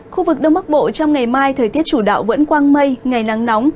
khu vực đông bắc bộ trong ngày mai thời tiết chủ đạo vẫn quang mây ngày nắng nóng